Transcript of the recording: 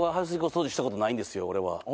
俺は。